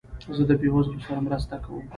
زه د بېوزلو سره مرسته کوم.